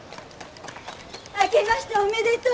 明けましておめでとう。